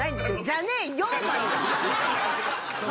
「じゃねぇよ」